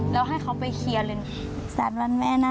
แล้วให้เขาไปเคลียร์เลย